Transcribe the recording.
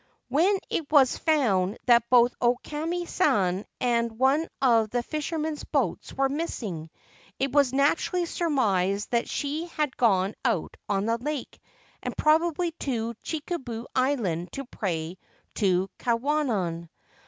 When it was found that both O Kame San and one of the fishermen's boats were missing it was naturally surmised that she had gone out on the lake, and probably to Chikubu Island to pray to Kwannon.